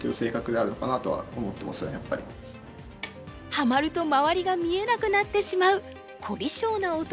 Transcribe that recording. ハマると周りが見えなくなってしまう凝り性な男